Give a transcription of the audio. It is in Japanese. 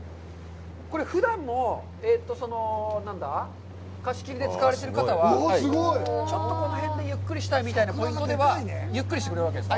これ、ふだんも貸し切りで使われている方は、ちょっとこの辺でゆっくりしたいみたいなポイントではゆっくりしてくれるわけですか。